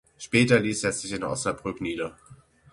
Später ließ er sich in Osnabrück nieder.